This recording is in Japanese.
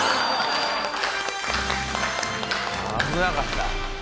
危なかった。